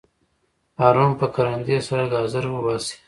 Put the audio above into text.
هارون په کرندي سره ګازر وباسي.